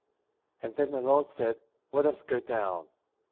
And then the Lord said: Let ns go down.